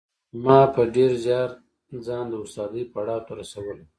ما په ډېر زیار ځان د استادۍ پړاو ته رسولی